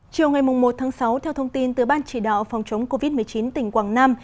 chiều ngày một sáu theo thông tin từ ban chỉ đạo phòng chống covid một mươi chín tỉnh quảng nam